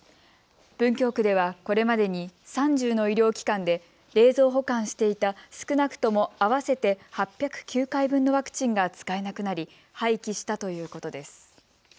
文京区ではこれまでに３０の医療機関で冷蔵保管していた少なくとも合わせて８０９回分のワクチンが使えなくなり廃棄したということです。